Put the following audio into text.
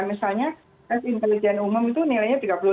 misalnya tes intelijen umum itu nilainya tiga puluh lima